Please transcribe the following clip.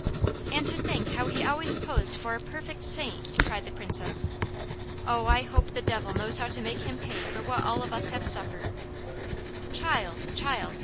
"And to think how he always posed for a perfect saint!" cried the Princess. "Oh I hope the devil knows how to make him pay for what all of us have suffered!" "Child! Child!"